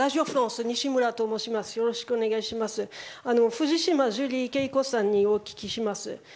藤島ジュリー景子さんにお聞きします。